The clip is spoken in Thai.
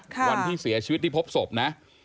วันที่เสียชีวิตที่พบศพนะ